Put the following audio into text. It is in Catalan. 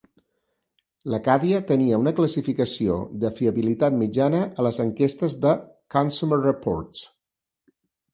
L'Acadia tenia una classificació de fiabilitat mitjana a les enquestes de "Consumer Reports".